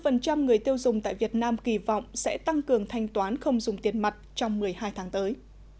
ba mươi người tiêu dùng tại việt nam kỳ vọng sẽ tăng cường thanh toán không dùng tiền mặt trong một mươi hai tháng tới